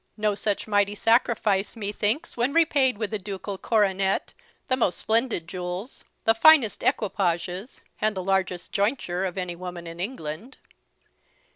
No such mighty sacrifice, me thinks, when repaid with a ducal coronet, the most splendid jewels, the finest equipages, and the largest jointure of any woman in England."